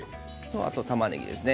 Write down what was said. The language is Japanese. あと、たまねぎですね。